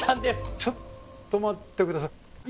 ちょっと待って下さい。